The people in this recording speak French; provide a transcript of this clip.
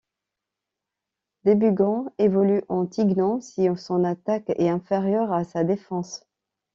Debugant évolue en Tygnon si son attaque est inférieure à sa défense.